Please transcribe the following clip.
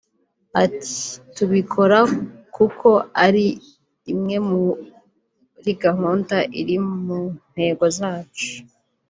Ati “Tubikora kuko ari imwe muri gahunda iri mu ntego zacu